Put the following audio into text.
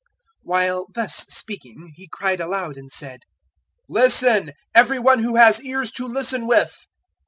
While thus speaking, He cried aloud and said, "Listen, every one who has ears to listen with!"